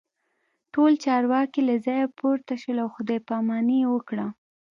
ټول چارواکي له ځایه پورته شول او خداي پاماني یې وکړه